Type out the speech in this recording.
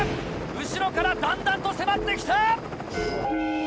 後ろからだんだんと迫ってきた！